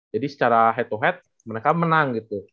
jadi secara head to head mereka menang gitu